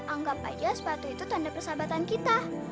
anggap aja sepatu itu tanda persahabatan kita